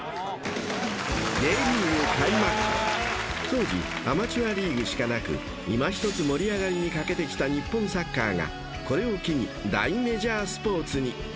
［当時アマチュアリーグしかなくいまひとつ盛り上がりに欠けてきた日本サッカーがこれを機に大メジャースポーツに］